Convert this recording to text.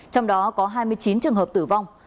trong đó có hai mươi chín trường hợp tử vong